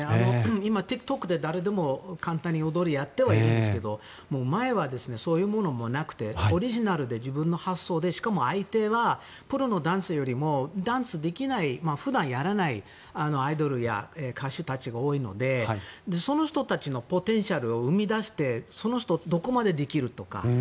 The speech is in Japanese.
今、ＴｉｋＴｏｋで誰でも簡単に踊りをやってはいますが前はそういうものもなくてオリジナルで自分の発想でしかも相手はプロのダンサーよりもダンスができない普段やらないアイドルや歌手たちが多いのでその人たちのポテンシャルを生み出してその人をどこまでできるとか。